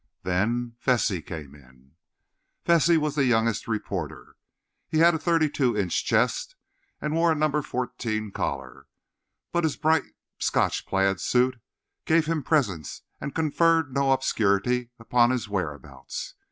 Then Vesey came in. Vesey was the youngest reporter. He had a thirty two inch chest and wore a number fourteen collar; but his bright Scotch plaid suit gave him presence and conferred no obscurity upon his whereabouts.